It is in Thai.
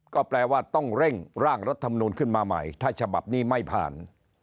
ก็แปลว่าต้องเร่งร่างรัฐมนูลขึ้นมาใหม่ถ้าฉบับนี้ไม่ผ่าน